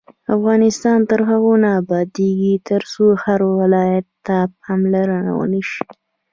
افغانستان تر هغو نه ابادیږي، ترڅو هر ولایت ته پاملرنه ونشي.